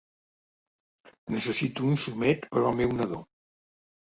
Necessito un xumet per al meu nadó.